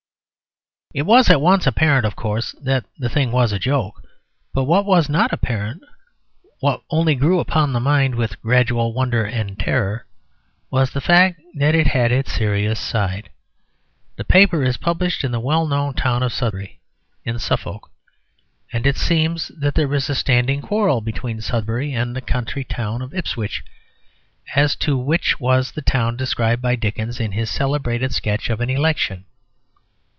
It was at once apparent, of course, that the thing was a joke. But what was not apparent, what only grew upon the mind with gradual wonder and terror, was the fact that it had its serious side. The paper is published in the well known town of Sudbury, in Suffolk. And it seems that there is a standing quarrel between Sudbury and the county town of Ipswich as to which was the town described by Dickens in his celebrated sketch of an election.